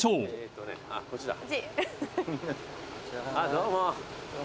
どうも。